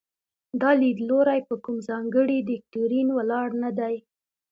دا لیدلوری په کوم ځانګړي دوکتورین ولاړ نه دی.